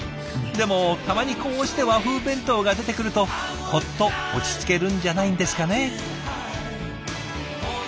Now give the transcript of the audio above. でもたまにこうして和風弁当が出てくるとほっと落ち着けるんじゃないんですかね。